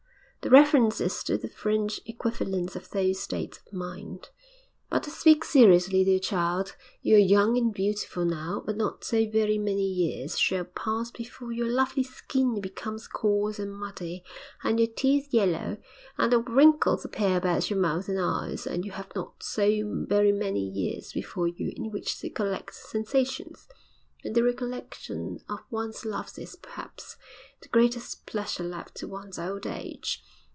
_' The reference is to the French equivalents of those states of mind. '_But to speak seriously, dear child. You are young and beautiful now, but not so very many years shall pass before your lovely skin becomes coarse and muddy, and your teeth yellow, and the wrinkles appear about your mouth and eyes. You have not so very many years before you in which to collect sensations, and the recollection of one's loves is, perhaps, the greatest pleasure left to one's old age.